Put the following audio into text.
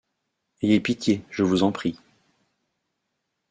Ayez pitié, je vous en prie!